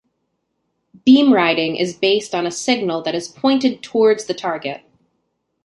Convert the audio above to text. Beam riding is based on a signal that is pointed towards the target.